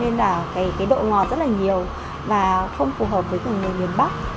nên là cái độ ngọt rất là nhiều và không phù hợp với công nghệ miền bắc